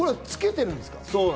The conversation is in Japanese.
つけてるんですか？